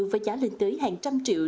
với giá lên tới hàng trăm triệu